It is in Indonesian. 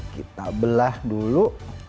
kita belah dulu